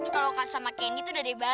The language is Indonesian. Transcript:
kalau gak sama candy tuh udah deh bye di